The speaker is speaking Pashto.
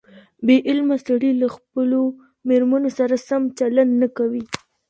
بې علمه سړي له خپلو مېرمنو سره سم چلند نه کوي.